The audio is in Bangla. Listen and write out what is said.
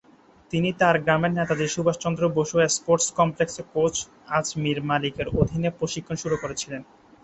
তিনি তার গ্রামের নেতাজি সুভাষ চন্দ্র বসু স্পোর্টস কমপ্লেক্সে কোচ আজমির মালিকের অধীনে প্রশিক্ষণ শুরু করেছিলেন।